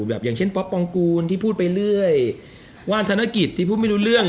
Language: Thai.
อย่างเช่นป๊อปปองกูลที่พูดไปเรื่อยว่านธนกิจที่พูดไม่รู้เรื่อง